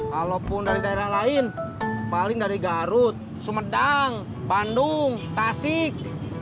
kalaupun dari daerah lain paling dari garut sumedang bandung tasik